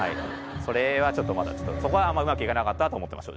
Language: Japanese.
それはちょっとまだそこはあんまりうまくいかなかったと思ってます